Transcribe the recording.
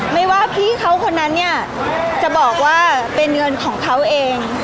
ไม่ว่าพี่เขาคนนั้นเนี่ยจะบอกว่าเป็นเงินของเขาเอง